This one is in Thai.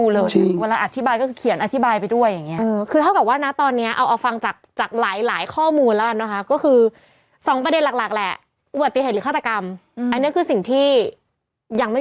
แล้วด้วยเองแหลกแหละอุบัติเหตุหรือฆาตกรรม